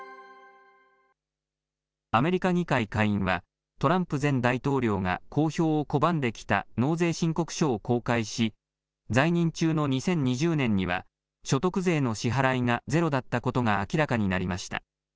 アメリカ議会下院は、トランプ前大統領が公表を拒んできた納税申告書を公開し、在任中の２０２０年には、所得税の支払いがゼロだったことが明らかになりました。